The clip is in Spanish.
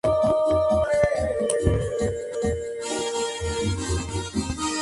Manto castaño, orlado de negro; cuello anterior y pecho negros; vientre amarillento.